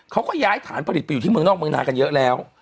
เขาก็ย้ายฐานผลิตไปอยู่ที่เมืองนอกเมืองนากันเยอะแล้ว